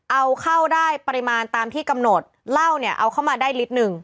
เอาเข้าได้ปริมาณตามที่กำหนดเหล้าเนี่ยเอาเข้ามาได้ลิตรหนึ่ง